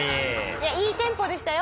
いやいいテンポでしたよ。